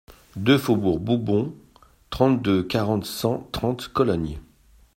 deux faubourg Bourbon, trente-deux, quatre cent trente, Cologne